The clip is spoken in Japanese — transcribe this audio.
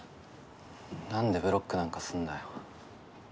なんでブロックなんかすんだよ？